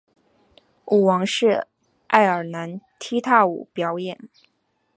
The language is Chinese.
舞王是爱尔兰踢踏舞表演。